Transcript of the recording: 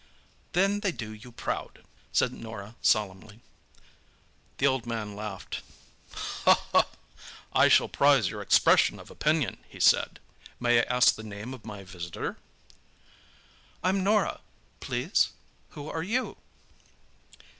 "Then they do you proud!" said Norah solemnly. The old man laughed. "I shall prize your expression of opinion," he said. "May I ask the name of my visitor?" "I'm Norah. Please who are you?"